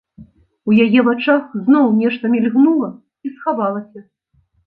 У яе вачах зноў нешта мільгнула і схавалася.